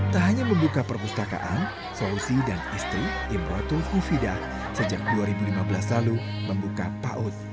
tak hanya membuka perpustakaan fauzi dan istri imratul hufida sejak dua ribu lima belas lalu membuka paut